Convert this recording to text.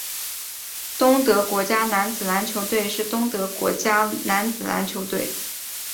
东德国家男子篮球队是东德的国家男子篮球队。